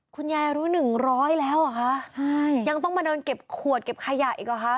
คุณยายรู้หนึ่งร้อยแล้วเหรอคะใช่ยังต้องมาเดินเก็บขวดเก็บขยะอีกหรอคะ